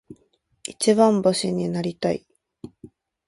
一番星になりたい。